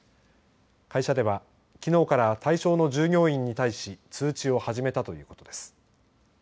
会社では、きのうから対象の従業員に対し通知を始めたということです。